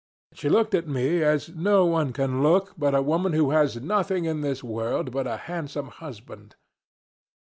She looked at me as no one can look but a woman who has nothing in this world but a handsome husband.